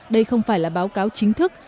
đây không phải là báo cáo chính thức